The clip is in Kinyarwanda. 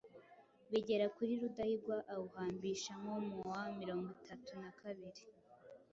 bigera kuri Rudahigwa; awuhambisha nko mu wa mirongwitatu nakabiri.